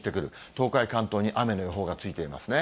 東海、関東に雨の予報がついていますね。